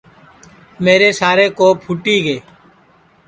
میرے سارے کوپ پھوٹی گے